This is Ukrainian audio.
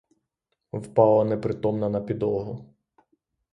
Впала непритомна на підлогу.